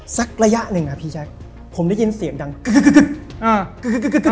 สักระยะหนึ่งอ่ะพี่แจ๊คผมได้ยินเสียงดังกึ๊ก